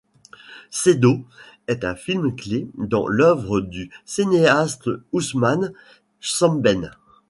Ceddo est un film clé dans l'œuvre du cinéaste Ousmane Sembène.